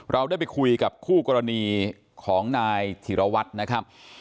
เราได้ไปคุยกับคู่กรณีของนายธิรวัตรนะครับ